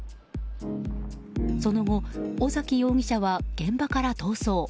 その後、尾崎容疑者は現場から逃走。